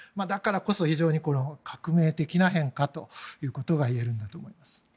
だからこそ非常に革命的な変化ということがいえるんだと思います。